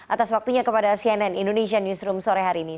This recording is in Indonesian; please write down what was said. atas waktunya kepada cnn indonesia newsroom sore hari ini